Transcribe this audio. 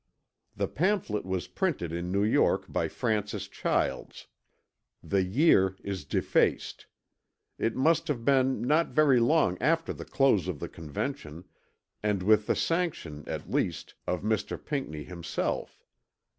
The pamphlet was printed in N. York by Francis Childs. The year is defaced. It must have been not very long after the close of the Convention, and with the sanction, at least, of Mr. Pinckney himself.